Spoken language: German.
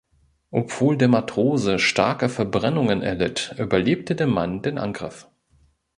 Obwohl der Matrose starke Verbrennungen erlitt, überlebte der Mann den Angriff.